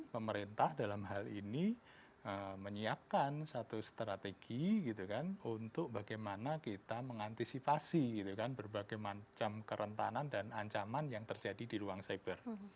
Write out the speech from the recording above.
pemerintah dalam hal ini menyiapkan satu strategi gitu kan untuk bagaimana kita mengantisipasi gitu kan berbagai macam kerentanan dan ancaman yang terjadi di ruang cyber